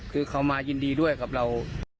คือเขามายินดีด้วยกับเรา